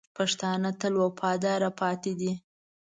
پښتانه تل وفادار پاتې دي.